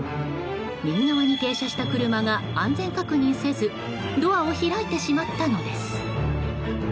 右側に停車した車が安全確認せずドアを開いてしまったのです。